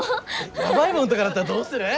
やばいもんとかだったらどうする？